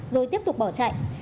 rồi tiếp tục bỏ chạy